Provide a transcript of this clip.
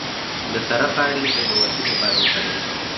د تره پاڼې د بواسیر لپاره وکاروئ